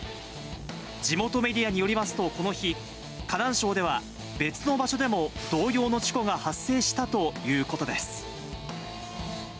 地元メディアによりますと、この日、河南省では別の場所でも同様の事故が発生したということです。